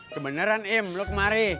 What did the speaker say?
kebeneran im lo kemari